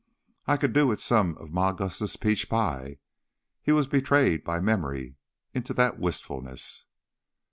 "I could do with some of Mam Gusta's peach pie." He was betrayed by memory into that wistfulness.